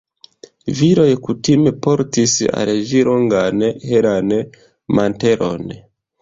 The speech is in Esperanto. Viroj kutime portis al ĝi longan helan mantelon.